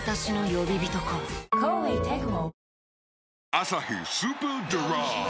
「アサヒスーパードライ」